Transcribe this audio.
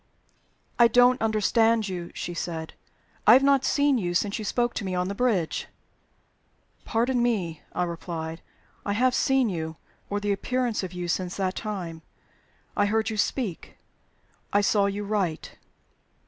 "I don't understand you," she said. "I have not seen you since you spoke to me on the bridge." "Pardon me," I replied. "I have seen you or the appearance of you since that time. I heard you speak. I saw you write."